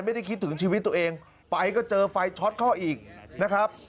ไม่ได้คิดถึงชีวิตตัวเองไปก็เจอไฟช็อตเข้าอีกนะครับ